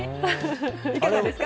いかがですか？